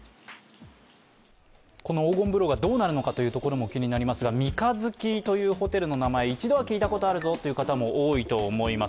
この黄金風呂がどうなるのかというところも気になりますが、三日月というホテルの名前、一度は聞いたことあるぞという方多いと思います。